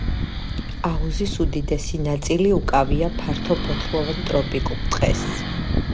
აუზის უდიდესი ნაწილი უკავია ფართოფოთლოვან ტროპიკულ ტყეს.